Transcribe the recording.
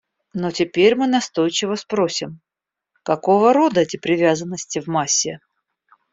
Но теперь мы настойчиво спросим: какого рода эти привязанности в массе?